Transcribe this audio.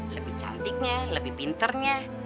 lebih cantiknya lebih pinternya